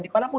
di mana pun